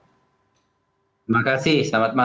terima kasih selamat malam